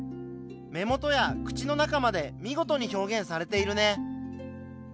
目元や口の中まで見事に表現されているね。